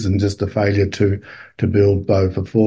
dan hanya kegagalan untuk membangun rumah rumah